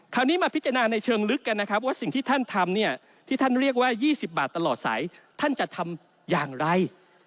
มาพิจารณาในเชิงลึกกันนะครับว่าสิ่งที่ท่านทำเนี่ยที่ท่านเรียกว่า๒๐บาทตลอดสายท่านจะทำอย่างไร